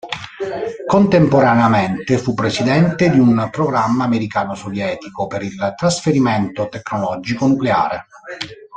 Contemporaneamente fu presidente di un programma americano-sovietico per il trasferimento tecnologico nucleare.